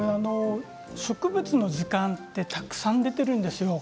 植物の図鑑はたくさん出ているんですよ。